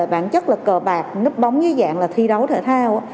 bản chất là cờ bạc nấp bóng với dạng là thi đấu thể thao